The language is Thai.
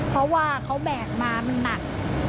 เพราะว่าเขาแบกมามันหนัก